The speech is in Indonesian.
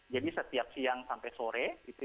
jadi setiap siang sampai sore